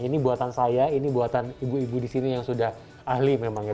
ini buatan saya ini buatan ibu ibu di sini yang sudah ahli memang ya